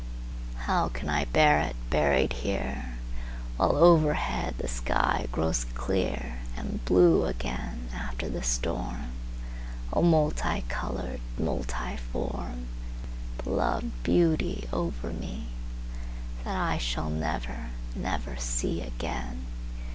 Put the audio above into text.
How can I bear it; buried here, While overhead the sky grows clearAnd blue again after the storm?O, multi colored, multiform, Beloved beauty over me, That I shall never, never seeAgain!